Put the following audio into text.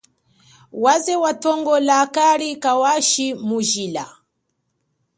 Waze atongolanga kali kawashi mujila.